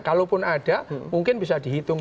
kalaupun ada mungkin bisa dihitung